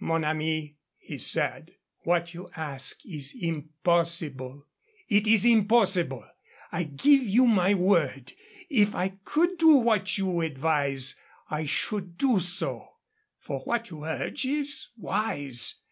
"Mon ami," he said, "what you ask is impossible. It is impossible. I give you my word. If I could do what you advise I should do so; for what you urge is wise.